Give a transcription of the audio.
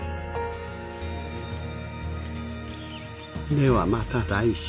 ではまた来週。